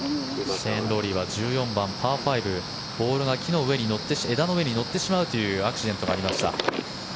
シェーン・ロウリーは１４番、パー５ボールが枝の上に乗ってしまうというアクシデントがありました。